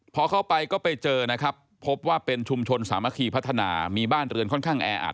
พอเข้าไปก็ไปเจอนะครับพบว่าเป็นชุมชนสามัคคีพัฒนามีบ้านเรือนค่อนข้างแออัด